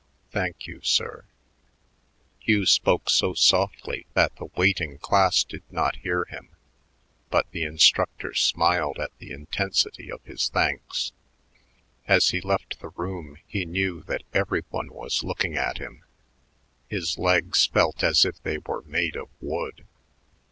"Thank you, sir." Hugh spoke so softly that the waiting class did not hear him, but the instructor smiled at the intensity of his thanks. As he left the room, he knew that every one was looking at him; his legs felt as if they were made of wood.